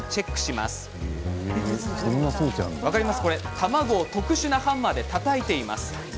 卵を特殊なハンマーでたたきます。